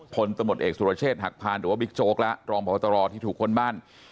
ผลตมตต์เอกสุรเชษฐ์หักพลานหรือว่าบิ๊กโจ๊กละรองประวัตรตรอที่ถูกค้นบ้าน